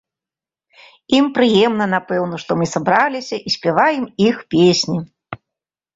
Ім прыемна, напэўна, што мы сабраліся і спяваем іх песні.